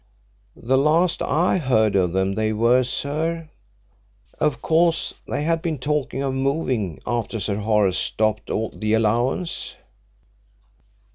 "The last I heard of them they were, sir. Of course they had been talking of moving after Sir Horace stopped the allowance."